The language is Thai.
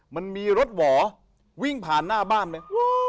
มันมีรถหว่อวิ่งผ่านหน้าบ้านไหม